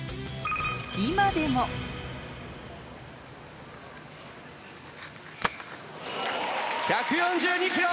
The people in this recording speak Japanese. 今でも１４２キロ！